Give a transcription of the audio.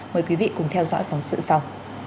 mời quý vị cùng theo dõi phóng sự sau